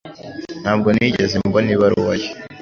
Ntabwo nigeze mbona ibaruwa ye